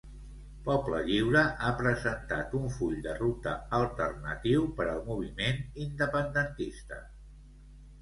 Poble Lliure ha presentat un full de ruta alternatiu per al moviment independentista.